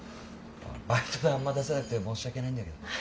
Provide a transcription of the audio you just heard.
バイト代あんま出せなくて申し訳ないんだけどね。